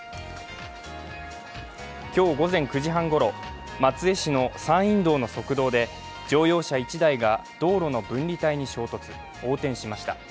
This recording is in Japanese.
今日午前９時半ごろ、松江市の山陰道の側道で乗用車１台が道路の分離帯に衝突、横転しました。